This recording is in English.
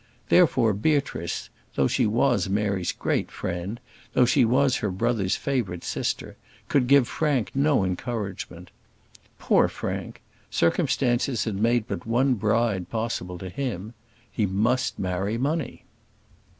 Therefore, Beatrice, though she was Mary's great friend, though she was her brother's favourite sister, could give Frank no encouragement. Poor Frank! circumstances had made but one bride possible to him: he must marry money.